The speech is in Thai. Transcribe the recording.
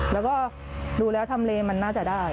แล้วก็ดูแล้วทำเลมันน่าจะได้